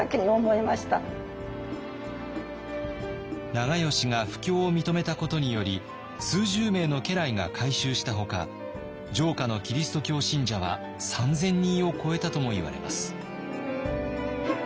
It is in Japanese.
長慶が布教を認めたことにより数十名の家来が改宗したほか城下のキリスト教信者は３，０００人を超えたともいわれます。